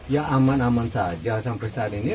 ya aman aman saja sampai saat ini